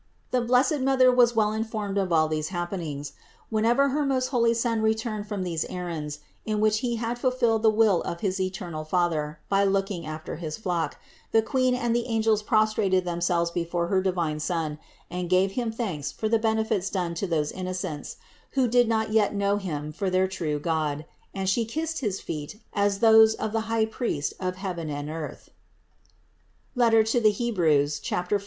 698. The blessed Mother was well informed of all these happenings. Whenever her most holy Son re turned from these errands, in which He had fulfilled the will of his eternal Father by looking after his flock, the Queen and the angels prostrated themselves before her divine Son and gave Him thanks for the benefits done to those innocents, who did not yet know Him for their true God, and She kissed his feet as those of the High priest of heaven and earth (Heb. 4, 1).